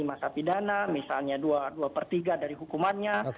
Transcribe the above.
masa pidana misalnya dua per tiga dari hukumannya